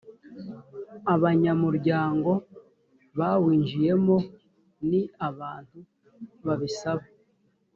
abanyamuryango bawinjiyemo ni abantu babisaba